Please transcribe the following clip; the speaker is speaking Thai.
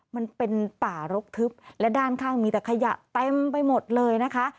มันเป็นป่ารกทึบและด้านข้างมีแต่ขยะเต็มไปหมดเลยนะคะ